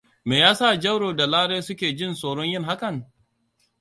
Me ya sa Jauro da Lare suke jin tsoron yin hakan?